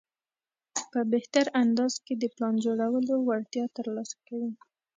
په بهتر انداز کې د پلان جوړولو وړتیا ترلاسه کوي.